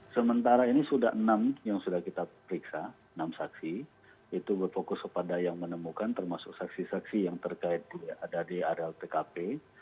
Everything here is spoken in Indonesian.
sementara ini sudah enam yang sudah kita periksa enam saksi itu berfokus kepada yang menemukan termasuk saksi saksi yang terkait ada di areal tkp